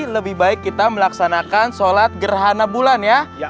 lebih baik kita melaksanakan sholat gerhana bulan ya